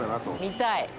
見たい。